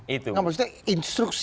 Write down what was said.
itu maksudnya instruksi